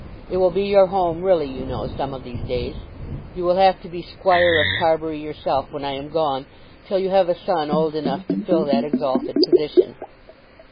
It will be your home really, you know, some of these days. You will have to be Squire of Carbury yourself when I am gone, till you have a son old enough to fill that exalted position."